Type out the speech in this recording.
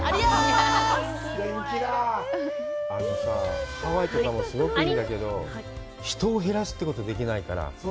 あのさ、ハワイとかもすごくいいんだけど、人を減らすってこと、できないから。